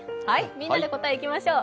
みんなで答え、いきましょう。